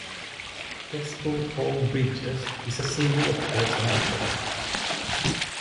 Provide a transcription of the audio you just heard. Dezful Old Bridge is a symbol of Persian authority.